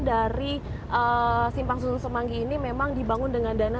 dari simpang susun semanggi ini memang dibangun dengan dana